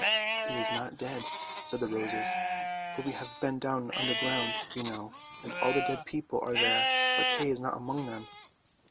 " "He is not dead," said the roses. " For we have been down underground, you know, and all the dead people are there, but Kay is not among them."